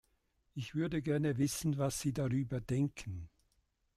Ich würde gerne wissen, was Sie darüber denken.